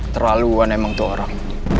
terlalu wan emang tuh orang